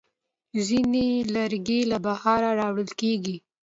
ځینې لرګي له بهره راوړل کېږي.